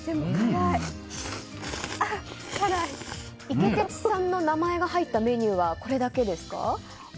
イケテツさんの名前が入ったメニューはこれだけですか？